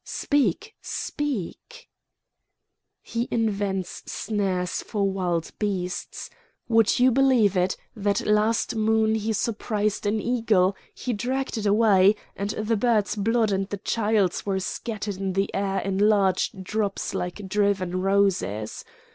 "Speak! speak!" "He invents snares for wild beasts. Would you believe it, that last moon he surprised an eagle; he dragged it away, and the bird's blood and the child's were scattered in the air in large drops like driven roses.